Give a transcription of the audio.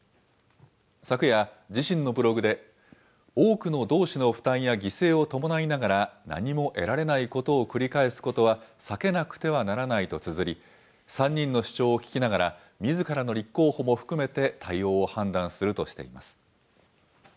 昨夜、自身のブログで、多くの同志の負担や犠牲を伴いながら、何も得られないことを繰り返すことは避けなくてはならないとつづり、３人の主張を聴きながら、みずからの立候補も含めて対応を判断するとしています。